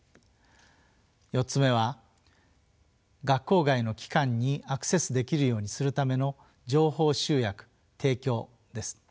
４つ目は学校外の機関にアクセスできるようにするための情報集約・提供です。